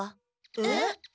えっ！？